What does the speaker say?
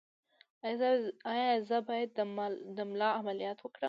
ایا زه باید د ملا عملیات وکړم؟